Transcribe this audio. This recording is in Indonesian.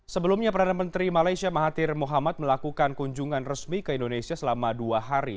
sebelumnya perdana menteri malaysia mahathir mohamad melakukan kunjungan resmi ke indonesia selama dua hari